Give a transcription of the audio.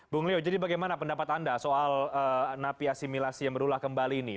bung leo jadi bagaimana pendapat anda soal napi asimilasi yang berulah kembali ini